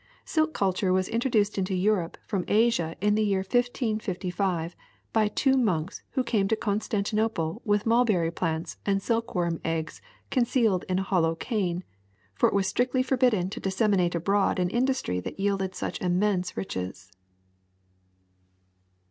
Silk culture was introduced into Europe from Asia in the year 555 by two monks who came to Constantinople with mulberry plants and silkworm eggs concealed in a hollow cane ; for it was strictly forbidden to disseminate abroad an industry that yielded such immense riches.